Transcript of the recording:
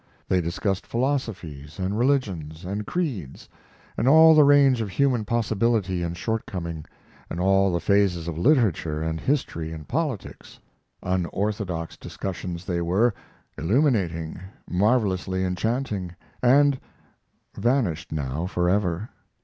They discussed philosophies and religions and creeds, and all the range of human possibility and shortcoming, and all the phases of literature and history and politics. Unorthodox discussions they were, illuminating, marvelously enchanting, and vanished now forever.